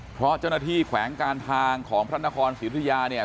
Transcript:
เพราะเจ้าหน้าที่แขวงการทางของพระนครศิริยาเนี่ย